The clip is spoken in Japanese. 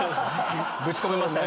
ぶち込めましたね。